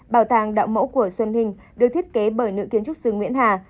bảo tàng đạo mẫu của xuân hình được thiết kế bởi nữ kiến trúc sư nguyễn hà